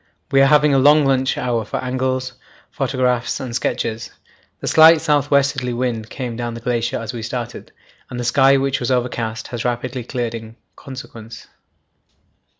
We are having a long lunch hour for angles, photographs, and sketches. The slight south westerly wind came down the glacier as we started, and the sky, which was overcast, has rapidly cleared in consequence.